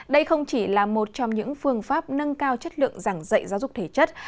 đây không chỉ là một trong những phương pháp nâng cao chất lượng giảng dạy giáo dục thể chất